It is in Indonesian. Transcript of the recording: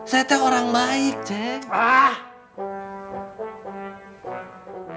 saya tuh orang baik ceng